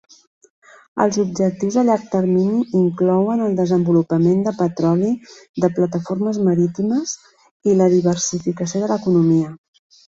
Els objectius a llarg termini inclouen el desenvolupament de petroli de plataformes marítimes i la diversificació de l'economia.